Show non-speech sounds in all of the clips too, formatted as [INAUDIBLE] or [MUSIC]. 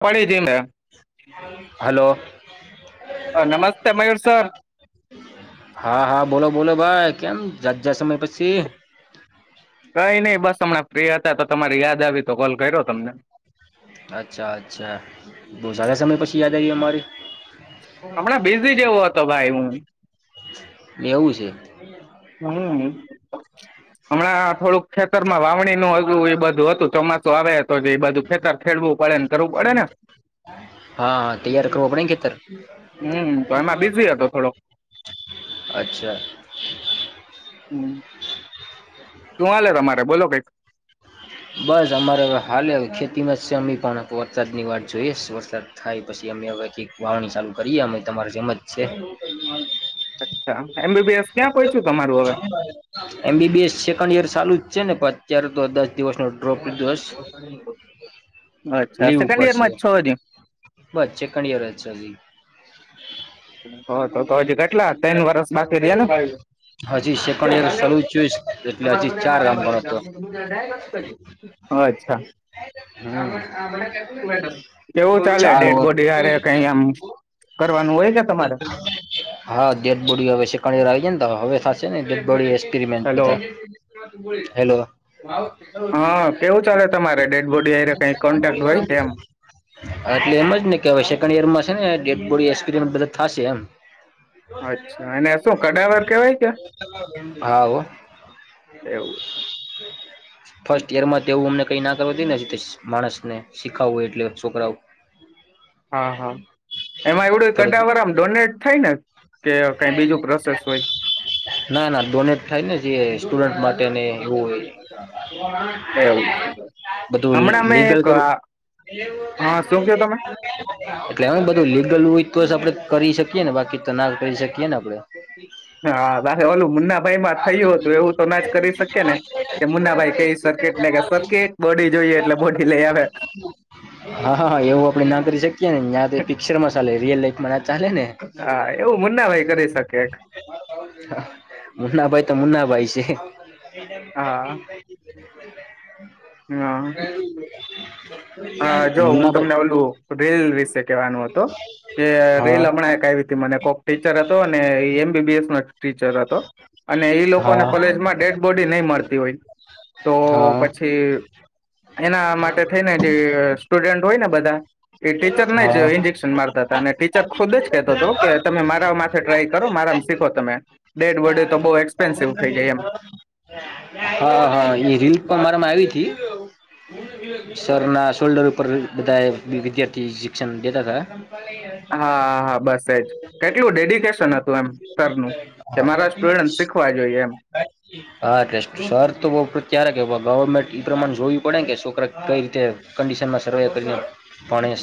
પડી જી મેં હલો. નમસ્તે મયુર સર હા હા બોલો બોલો ભાઈ. કેમ જાતજાય સમય પછી. કઈ નઈિ બસ હમણાં. ફ્રી હતા તો તમારી યાદ આવી તો કોલ કર્યો તમને. અચ્છા અચ્છા બહ સ્યા સમય પછી. ી આદાય અરી. હ હમણાંીજી જેવો હતું. તો ભાઈ હું એવું છે હમ. [UNINTELLIGIBLE] હમણાં થોડુંક. ખેતરમાં વાવણી નું હજું એ બધું હતું ચોમાસું. આવે તો કે બ બાજુ ખેતર ખેડવું પડેને. કરવું પડે ને. હા હા તૈયાર કરવો પણડ ખેતર. હમ તો એમાં બિઝી હતો થોડોક અચ્છા. તું હલેે તમારે બોલો કઈક. બસ અમારેવે હાલે ખેતીમાં જ છે અમે પણ વરસાદ ની વાત જોઈએ વરસાદ થાય પછી અમે હવેથી વાવણી ચાલુ કરીએ અમે તમારે જેમજ છે. અચ્છા. એમબીબીએસ ક્યાં પહોંચ્યું તમારું હવે એમબીબીએસ સેકન્ડ ઈયર ચાલુ જ. છે ને અત્ય્યારે તો દસ. દિવસ ન ડ્રોપ દસ અચ્છા લીવ સેકન્ડ ઉપર યર છે માં જ છો હજી બસ ચેકડ યર. હ તો તો હજી કેટલા તન વર્ષ બાકી. રહ્યા ને હજી સેકન્ડ રસ એટલે હજી ચાર ગામ પણ હતો અચ્છા કેવું ચ. ચાલે ડેડ બોડી હારે કઈ આમ કરવાનું હોય કે તમારે હાધટ બોડી આવે છે. અનેણે રહી જ હવે સા. હેલો મેટલે હા એને કેવું ચાલે તમારે ડેડ બોડી હારે કઈ કોન્ટેક્ટ કે હોય કે એમ સેકન્ડ રનેક્મે. ખાસ્યમ. દોસ્. અચ્છા એને શું કડાવર કેવાય કે હા એવું ફર્સ્ટ ઈયર માં તેવું અમને કઈ ના કર. માણસને શીખાવવું એટલે છોકરાવું હા હા એમાં એવડું થોડું કઢાવરામ ડોનેટ થાય ને કે કઈ બીજું ર ના ના ડોનેટ થાય ને જે સ્ટુડન્ટ માટે ને એવું હોય હોયવું બધું હમણાં મેં લીગલ એક કરું હા શું ક તમે એટલે એ બધું લીગલ હોય તો આપડે કરી શકીએ ને બાકી ત તો ના કરી શકીએ ને આપડે હા ઓલું મુન્ના ભાઈ માં થયું હતું એવું તો ના જ કરી શકી ને કે મુન્ના ભાઈ કઈ સર્કટ કે સકટ બોડી જોઈએ એટલે બોડી લઈ આવે હા હા એવું આપડે ના મ હા એવું મુન્ના ભાઈ કરે છે મુના ભાઈ તો મુના ભાઈ છે હા [UNINTELLIGIBLE] [UNINTELLIGIBLE] હ જો હું મુન્નાભાઈ તમને ઓલું રીલ વિશે કહેવાનું હતું કે હા રીલ હમણાં હતી મને કોક ટીચર હતોને એમબીબીએસ ન ટીચર હતો અને એ લોકોને હા કોલેજમાં ડેડ બોડી નહી મળતી હોય તો હા પછી એના માટે સુ હોય ને બધા એ ટીચર ને જ હા ઇન્જેક્શન મારતા હતા અને ટીચર ખુદ જ કેતો હતો કે તમે મારા માથે ટ્રાય કરો મારામાં શીખો તમે ડેડ બોડી તો બહુ એક્સપેન્સિવ થઈ જાય એમ હા હા રીલક મારામાં આવી હતી સરાર ના શોલ્ડર પર બધા વિદ્યાર્થી શિક્ષણ દેતા હતા હા હા બસ એજ કેટલું ડેડિકેશન હતું એમ સરનું કે મારા સ્ટુડન્ટ શીખવા જોઈએ એમ હા શર તો બ ત્યારે ગવમેન્ટ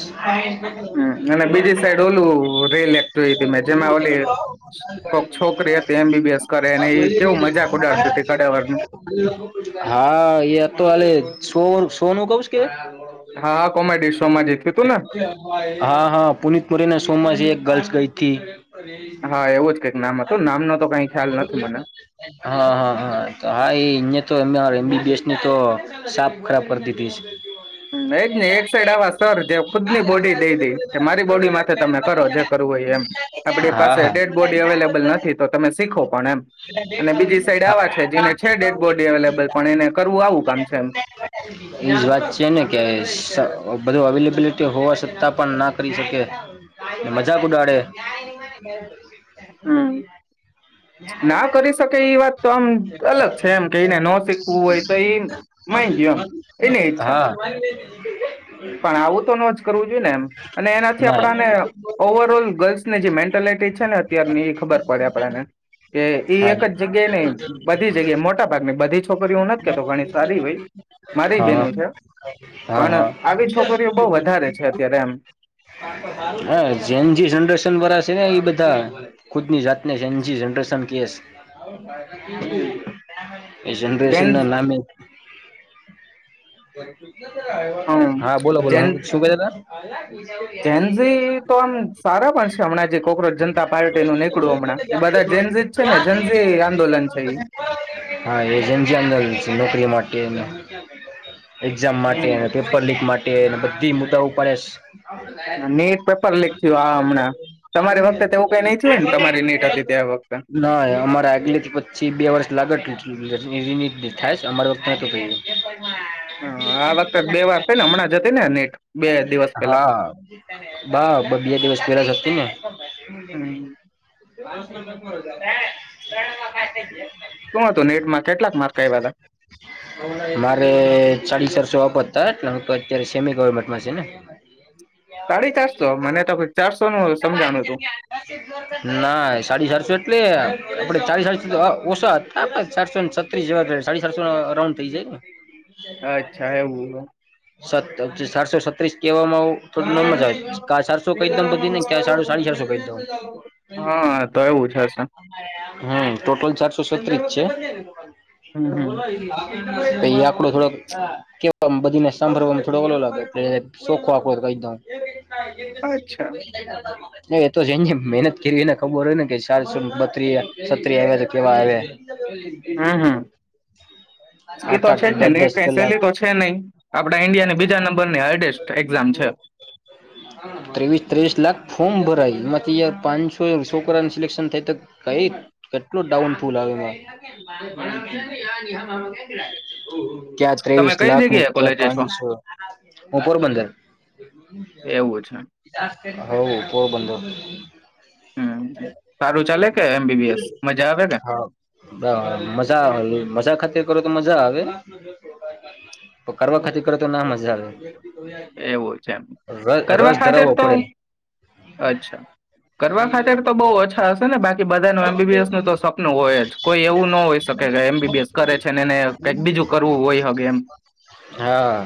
હમ અને બીજી સાઈડ ઓલું રેલ એક જોઈ હતી મેં જેમાં ઓલી કોક છોકરી હતી એમબીબીએસ કરે અને એ કેવું મજાક ઉડાડતી હતી કડાવરનું હા એ તો કાલે સો સોનુંું કવ હા હા કોમેડી શો માં જે થયું તું ને હા હા પુનિત મોરી ના સોમમાંથી એક ગર્લ્સ ગઈથી હા એવું જ કઈક નામ હતું નામ ન તો કઈ ખ્યાલ નથી મને હા હા હા હા એ અ તો એમબીબીએસ ની તો સાપ ખરાબ કરી દીધી છે એક ને એક સાઈડ આવા સર જે ખુદ ની બોડી દઈ દે મારી બોડી મા તમે કરો જે કરવું હોય એમ આપડી હા હા પાસેે બોડી અવેલેબલ નથી તો તમે સી ો [UNINTELLIGIBLE] જેને છે ડેડ બોડી અવેલેબલ પણ એને કરવું આવું કામ છે એમ કે ને કે બધું અવેલેબિલિટી હોવા છતાં પણ ના કરી શકે. મજાક ઉડાડે. હમ ના કરી શકે એ વાત તો આમ અલગ છે એમ કે એને ન શીખવું હોય તો એ ઈ ગયયો એમ એની ઈચ્છા. હ [UNINTELLIGIBLE] પણ આવું તો ન જ કરવું જોઈએ ને એમ અને એનાથી ના આપણાને ઓવર ઓલ ગર્લ્સની જે મેન્ટાલિટી છે ને અત્યારની એ ખબર પડે આપણને. કે ઈ હા એક જ જગ્યાએ નહ બધી જગ્યાએ મોટા ભાગની બધી છોકરી હું નથી કેતો ઘણી સારી હોય મારી બન હા છે હા પણ. હા આવી છોકરીઓ બહુ વધારે છે અત્યારે એમ હા જેન જે જનરેશન વાળા છે ને એ બધા ખુદ ની જાત. એ છે એનજીિઝન. સ [UNINTELLIGIBLE] એ જનરેશન ના લમી. હા બોલો બોલો હું શું કેતા ત. હ [UNINTELLIGIBLE] જેનસી તો આમ સારા પણ છે હમણાં જે કોકરાજ જનતા પાર્ટી નું નીકળું હમણાં એ બધા જન. હા એજમસી અંદર નોકરી માટે. ને [UNINTELLIGIBLE] એક્ઝામ માટે હમ પેપર લીક માટે બધી મુ્દા પડે. નીટ પેપર લીક થયું આ હમણાં તમારી વખતે તેવું કઈ નઈ થયું હોય ને તમારી નીટ હતી તે વખતે ના અમારે આગલેથી પછી બે વર્ષ લાગે રિન થાય અમારી વખત નતો ક. હા આ વખતે બે વાર થઈ ને હમણાં જ હતી ને નીટ બે દિવસ પેલા હા બ બે દિવસ પેલા. છેને. િ ગાસ ન મારો. શું હતું નીટમાં કેટલાક માર્ક આવ્યા હતા મારે સાડી ચારસો આપપરતા એટ હ તો અત્યારે. કેમી ગવર્મેન્ટમાં છેને. સાડી ચારસો મને તો કંઈક ચારસો નું સમજાણું હતું ના સાડી ચારસો. એ [UNINTELLIGIBLE] આપડે ચા ચ ઓછો હતા આપડે ચારસો ને છત્રીસ જે. સાડી સાતસો રાઉન્ડ થઈ જાય ને. અચ્છા એવું [INAUDIBLE] સત સાતસો છત્રીસ કેવામાં આવ. બધી ને ક્યાં સાડું સાડી ચારસો કહી દઉં હા તો એવું છેશે. હમ ટોટલ ચારસો છત્રીસ છે. હમ એવ હમ લા. આકડું થોડોક કે બધી ને સાંભળવા. થોડ ઓલો લાગે આપ અચ્છા ક એતો છે મનત ખીલી ને ખબર હોય ને વિશાલ સુ બત્રીત્રી કેવા આવ હમ હમ એ આઠ તો છે જ ને આ દસ નેટ દસ કઈ કલાક સહેલી તો છે નહી આપડા ઈન્ડિયા ની બીજા નંબર ની હાર્ડેસ્ટ એક્ઝામ છે. ત્રેવીસ તવીસ લાખ ફ [UNINTELLIGIBLE] હમ બરા તયાર પાંચસો છોકરાની સિલેક્શન થાય તો કઈ કેટલું ડાઉન ફૂલ આવે ક્યાં તમે ત્રેવીસ કઈ લાખ ની જગ્યાએ ક્યાં કોલેજે છો પાંચસો હું પોરબંદર એવું છે હવ પોરબંદર હમ સારું ચાલે કે એમ હા બરાબ મજા મજા ખતે મજા આવે કરવા ખાતી કરો તો ના મજા આવે એવું છે એમ કરવા રસ ખાતર ધરાવવો તો પડે અચ્છા કરવા ખાતર તો બઉ ઓછા હશે ને બાકી બધા બધાનું એમબીબીએસ નું તો સપનું હોય જ કોઈ એવું ન હોય શકે કે એમબીબીએસ કરે છે એને કઈક બીજું કરવું હોય હગ એમ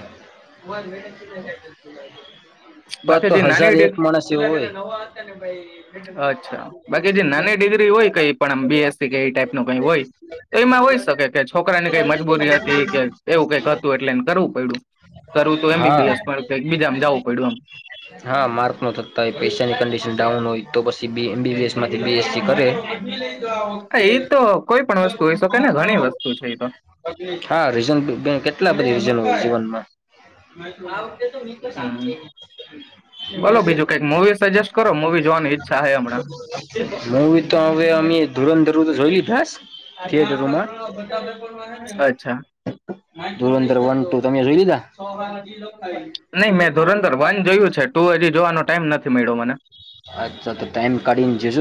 [INAUDIBLE] પણ બાકી તો જે હજાર નાની એક માણસ એવો હોય અચ્છા બાકી જે નાની કમ બીએસ ટાઈ ન કઈ હોય તો એમાં હોય શકે કે છોકરાની કઈ મજબૂરી હતી કે એવું કઈક હતું એટલે કરવું પડ્યું કરવું એમ હા બીબીસ ક બીજા જું પડ્યુંમ હા માર્ક ન થતા હોય પૈસાની કન્ડિશન ડાઉન હોય તો પછી એમબીબીએસ માં એમ એ તો કોઈ પણ વસ્તુ હોઈ શકે ને ઘણી વસ્તુ છે એ તો હા રિઝર્વ બેંક કેટલા બજન જીવનમાં હમ બોલો બીજું કઈક મૂવી સજેસ્ટ કરો મૂવી જોવાની ઈચ્છા છે હમણાં મુવી તો હવે અમે ધુરંધર તો જોઈ લસ ય અચ્છા ધંદર વન ટુ તમે જોઈ લીધા નહી મેં ધુરંધર વન જોયું છે ટુ હજી જોવાનો ટાઈમ નથી મળ્યો મને અચ્છા તો ટાઈમ કાઢીને જસ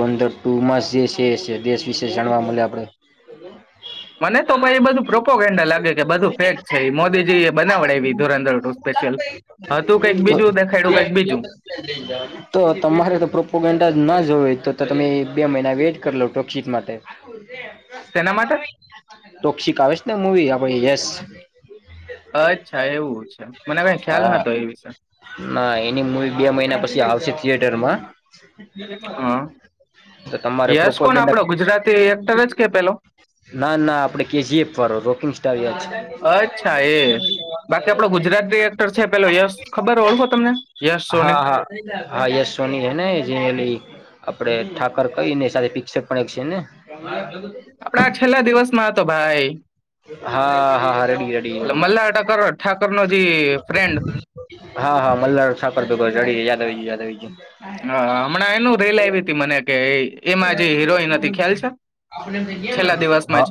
ધુરંધર ટુ મા જે છે દેશ વિશે જાણવા મળે આપડે મને તો ભાઈ એ બધું પ્રોપોગેન્ડા લાગે કે બધું ફેક છે ઈ મોદીજી એ બનાવડાવી ધુરંધર ટુ સ્પેશિયલ હતું કંઈક બીજું દેખાડ્યું કંઈક બીજું તો તમારે તો પ્રોપોગન્ડા ના જોવે તો તો તમે એક બે મહિના વેટ કરીલો ટોકશિક માટે તેના માટે ટોકશિક આવે છે ને મુવી આપ ભાઈ યસ અચ્છા એવું છે મને કઈ ખ્યાલ હા નતો એ વિશે ના એની મુવી બે મહિના પછી આવશે થિયેટરમાં હા તો તમારે પ્રોપ યશ કોણ આપણો ગુજરાતી એક્ટર જ કે પેલો ના ના આપડે કેજીએફ વાળ રોકિંગ સાર યાદ અચ્છા એ બાકી આપણો ગુજરાતી એક્ટર છે પેલો યશ ખબર ઓળખો તમને યશ સોની હા હા હા યસ સોની છેને આપણે ઠાકર કહી ને સાથે પિક્ચર પણ એક છે ને હા આપણા છેલ્લા દિવસમાં હતો ભાઈ હા હા રેડી રેડી એટલે મલ્હાર ઠાકર ઠાકરનો જે ફ્રેન્ડ હા હા મલા સાપરડી યાદ યાદ હ હમણાં એનું રેલ આવી મ છેલ્લા દિવસમાં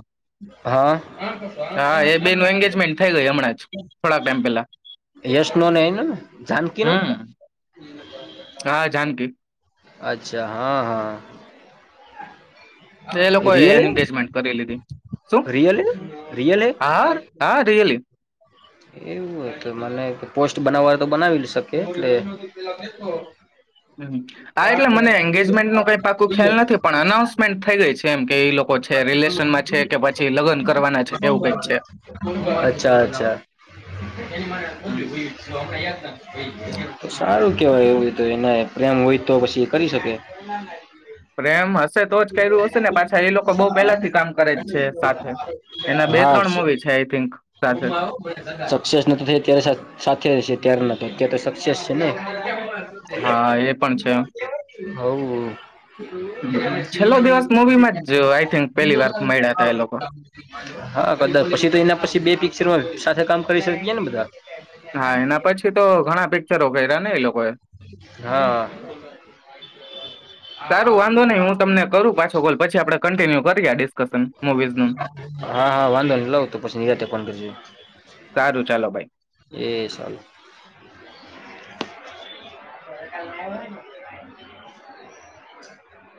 હા હા એ બેનું એંગેજમેન્ટ થઈ ગઈ હમણાં જ થોડાક ટાઈમ પેલા યશ નને એનો ને જાનકી ન હમ હા જાનકી અચ્છા હા હા એ લોકોએ રિયલ હે એગેજમેન્ટ કરી લીધી શું રિયલ હે રિયલ હે હા હા રિયલી એવું હો તો મને પોસ્ટ બનાવવા તો બનાવી શક આ એટલે મને એંગેજમેન્ટ ન કઈ પાકું ખ્યાલ નથી પણ અનાઉન્સમેન્ટ થઈ ગઈ છે એમ કે એ લોકો છે રિલેશનમાં છે કે પછી લગ્ન કરવાના છે કેવું કઈક છે એની મા પો્યું હમ. જો આપડા યાદ ત સારું કેવાય એવું પ્રેમ હોય તો પછી એ કરી શકે પ્રેમ હશે તો જ કર્યું હશે ને પાછા એ લોકો બહ પહેલા થી કામ કરે જ છે સાથે એના બે હા ત્રણ મવી છે આઈ થિંક સાથે સક્સેસ નતતો થ ત્યારે સાથે રહેશે ્યારે તો સક્સેસ છે ને હા એ પણ છે હમ. છેલ્લો દિવસ મૂવીમાં જ આઈ થિંક પહેલી વાર મળ્યા હતા એ લોકો હા કદાચ પછી તો એના પછી બે પિક્ચર હા એના પછી તો ઘણા પિક્ચરો ગ નહી લોકોએ હા સારું વાંધો નહીં હું તમને કરું પાછો ગોલ પછી આપણે કન્ટિન્યુ બ ગ હા હા વાંધો ન લઉ તો પછી નિરાતે ફોન કરજું સારું ચાલો ભાઈ એ સલ [INAUDIBLE] [UNINTELLIGIBLE]